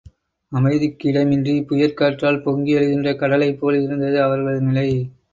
அமைதிக்கு இடமின்றிப் புயற் காற்றால் பொங்கியெழுகின்ற கடலைப்போல இருந்தது அவர்களது நிலை.